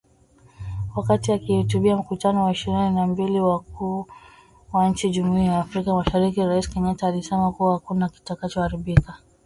Wakati akihutubia Mkutano wa ishirini na mbili wa Wakuu wa Nchi wa Jumuiya ya Afrika Mashariki, Rais Kenyatta alisema "kuwa hakuna kitakacho haribika"!!